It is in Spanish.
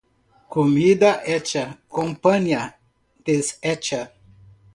Comida hecha, compania deshecha.